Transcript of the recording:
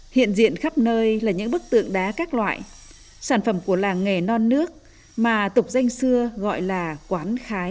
hiện diện khắp nơi là những bức tượng đá các loại sản phẩm của làng nghề non nước mà tục danh xưa gọi là quán khái